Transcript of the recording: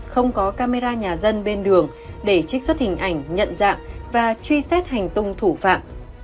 không có camera nhà dân bên đường để trích xuất hình ảnh nhận dạng và truy xét hành tung thủ phạm